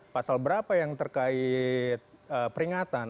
pasal berapa yang terkait peringatan